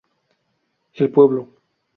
El Pueblo.